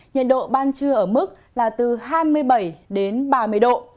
nhiệt độ ban trưa ở mức là từ hai mươi bảy đến ba mươi độ